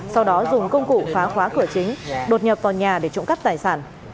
sau đó dùng công cụ phá khóa cửa chính đột nhập vào nhà để trộm cắp tài sản